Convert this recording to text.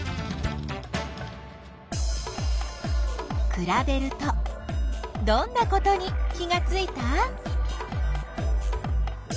くらべるとどんなことに気がついた？